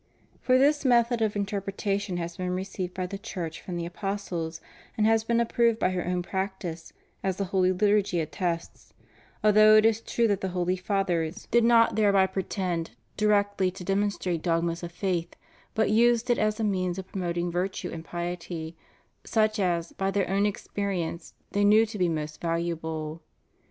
For this method of interpretation has been received by the Church from the apostles, and has been approved by her own practice, as the holy Liturgy attests; although it is true that the holy Fathers did not * S. Aug. c. Julian, ii. 10, 37. • De Gen. ad litt. Iviii. c. 7. 13. THE STUDY OF HOLY SCRIPTURE. 289 thereby pretend directly to demonstrate dogmas of faith, but used it as a means of promoting virtue and piety, such as, by their own experience, they knew to be most valu able.